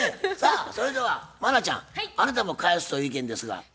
さあそれでは茉奈ちゃんあなたも返すという意見ですが。